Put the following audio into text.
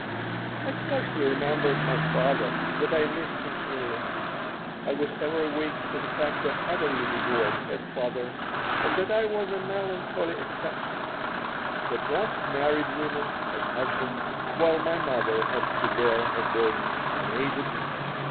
I scarcely remembered my father, yet I missed him keenly. I was ever awake to the fact that other little boys had fathers and that I was a melancholy exception; that most married women had husbands, while my mother had to bear her burden unaided.